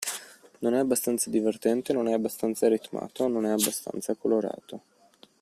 Non è abbastanza divertente, non è abbastanza ritmato, non è abbastanza colorato.